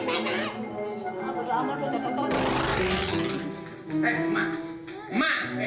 eh emak emak